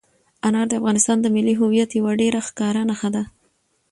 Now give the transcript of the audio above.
انار د افغانستان د ملي هویت یوه ډېره ښکاره نښه ده.